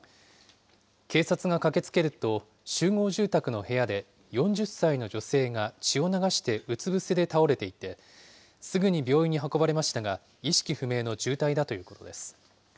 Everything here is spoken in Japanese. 警察が駆けつけると、集合住宅の部屋で、４０歳の女性が血を流してうつ伏せで倒れていて、すぐに病院に運ばれましたが、意識不明の重体だということです。